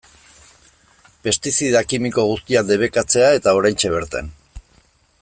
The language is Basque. Pestizida kimiko guztiak debekatzea eta oraintxe bertan.